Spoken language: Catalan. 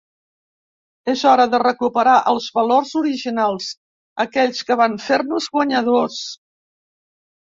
És hora de recuperar els valors originals, aquells que van fer-nos guanyadors.